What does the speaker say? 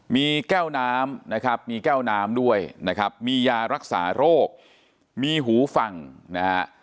มีแก้วน้ำนะครับมีแก้วน้ำด้วยนะครับมียารักษาโรคมีหูฟังนะฮะ